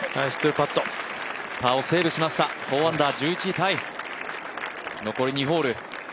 パーをセーブしました、４アンダー、１１位タイ、残り２ホール。